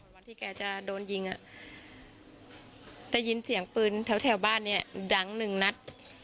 วันที่แกจะโดนยิงได้ยินเสียงปืนแถวบ้านเนี่ยดังหนึ่งนัด